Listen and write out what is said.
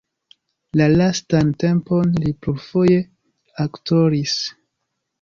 La lastan tempon li plurfoje aktoris.